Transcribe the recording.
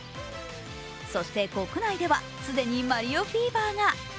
そして国内では既にマリオフィーバーが。